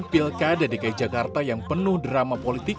pilkada dki jakarta yang penuh drama politik